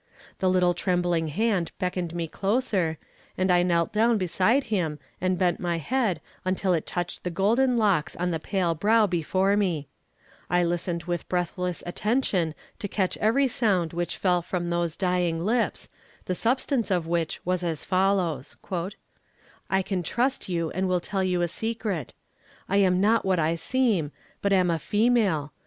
The little trembling hand beckoned me closer, and I knelt down beside him and bent my head until it touched the golden locks on the pale brow before me; I listened with breathless attention to catch every sound which fell from those dying lips, the substance of which was as follows: "I can trust you, and will tell you a secret. I am not what I seem, but am a female.